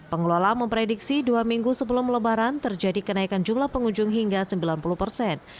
pengelola memprediksi dua minggu sebelum lebaran terjadi kenaikan jumlah pengunjung hingga sembilan puluh persen